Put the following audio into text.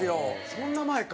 そんな前か。